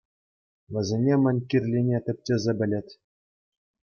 Вӗсене мӗн кирлине тӗпчесе пӗлет.